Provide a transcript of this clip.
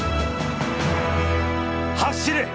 走れ！